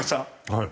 はい。